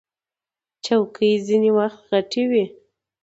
چوکۍ ځینې وخت غټې وي.